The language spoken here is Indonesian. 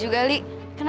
gue gak akan berhenti